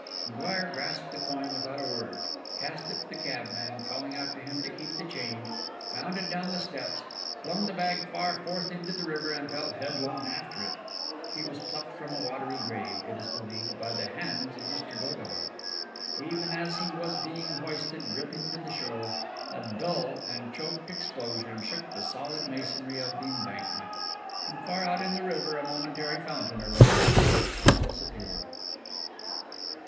M'Guire grasped the coin without a word; cast it to the cabman, calling out to him to keep the change; bounded down the steps, flung the bag far forth into the river, and fell headlong after it. He was plucked from a watery grave, it is believed, by the hands of Mr. Godall. Even as he was being hoisted dripping to the shore, a dull and choked explosion shook the solid masonry of the Embankment, and far out in the river a momentary fountain rose and disappeared.